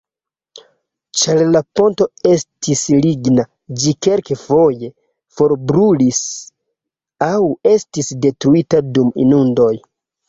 Ĉar la ponto estis ligna, ĝi kelkfoje forbrulis aŭ estis detruita dum inundoj.